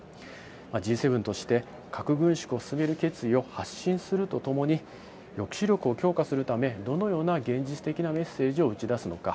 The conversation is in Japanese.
Ｇ７として、核軍縮を進める決意を発信するとともに、抑止力を強化するため、どのような現実的なメッセージを打ち出すのか。